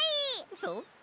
そっか。